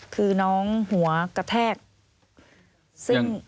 คือน้องหัวกระแทกซึ่ง